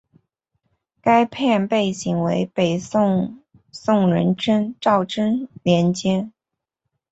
该片背景为北宋宋仁宗赵祯年间。